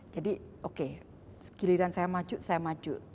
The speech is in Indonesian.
jadi oke giliran saya maju saya maju